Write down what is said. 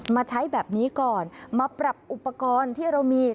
มาใช้แบบนี้ก่อนมาปรับอุปกรณ์ที่เรามี